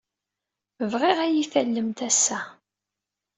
Bɣiɣ ad iyi-tallemt ass-a.